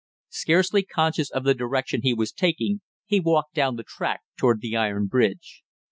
Scarcely conscious of the direction he was taking he walked down the track toward the iron bridge.